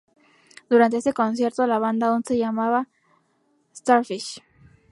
Durante ese concierto la banda aún se llamada "Starfish".